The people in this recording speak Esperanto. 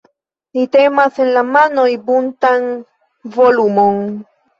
Ni tenas en la manoj buntan volumon.